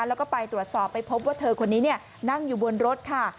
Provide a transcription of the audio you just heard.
แล้วก็ไปตรวจสอบไปพบว่าเธอคนนี้นั่งอยู่บนรถค่ะ